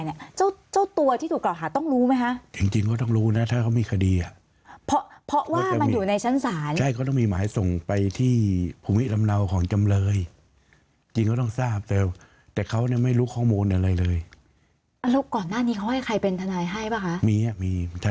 แล้วก่อนหน้านี้เขาให้ใครเป็นธนายให้หรือเปล่าคะ